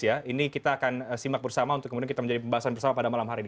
ini kita akan simak bersama untuk kemudian kita menjadi pembahasan bersama pada malam hari ini